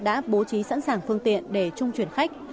đã bố trí sẵn sàng phương tiện để trung chuyển khách